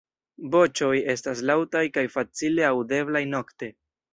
Voĉoj estas laŭtaj kaj facile aŭdeblaj nokte.